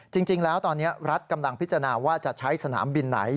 จริงแล้วตอนนี้รัฐกำลังพิจารณาว่าจะใช้สนามบินไหน